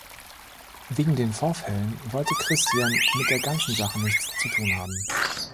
Wegen den Vorfällen wollte Christian mit der ganzen Sache nichts zu tun haben.